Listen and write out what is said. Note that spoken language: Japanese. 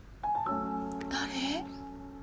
誰？